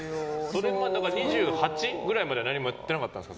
２８くらいまでは何もやってなかったんですか。